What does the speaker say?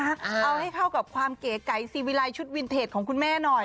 เอาให้เข้ากับความเก๋ไก่ซีวิลัยชุดวินเทจของคุณแม่หน่อย